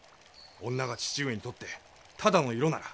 女が義父上にとってただの色なら。